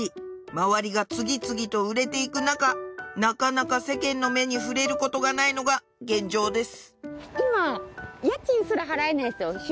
周りが次々と売れていく中なかなか世間の目に触れる事がないのが現状です